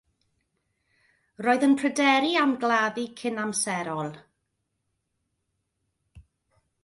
Roedd yn pryderu am gladdu cynamserol.